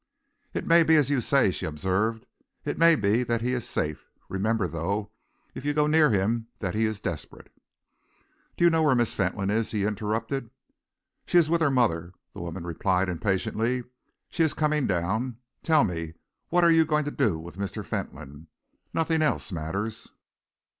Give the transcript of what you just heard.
"It may be as you say," she observed. "It may be that he is safe. Remember, though, if you go near him, that he is desperate." "Do you know where Miss Fentolin is?" he interrupted. "She is with her mother," the woman replied, impatiently. "She is coming down. Tell me, what are you going to do with Mr. Fentolin? Nothing else matters."